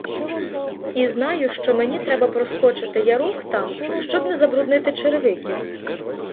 І знаю, що мені треба проскочити ярок там, щоб не забруднити черевиків.